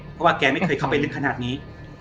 เพราะแกไม่เคยเข้าไปทางถนนี้